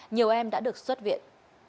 nhiều em đã được xuất viện